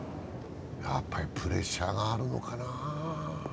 やっぱりプレッシャーがあるのかな。